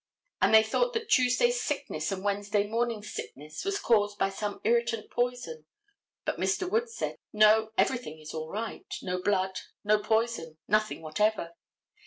And they thought that Tuesday's sickness and Wednesday morning's sickness was caused by some irritant poison. But Mr. Wood said: "No, everything is all right; no blood, no poison, nothing whatever."